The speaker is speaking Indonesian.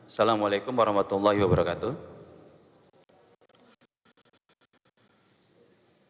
assalamu'alaikum warahmatullahi wabarakatuh